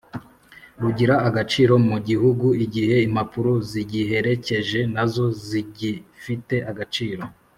rugira agaciro mugihugu igihe impapuro zigiherekeje nazo zigifite agaciro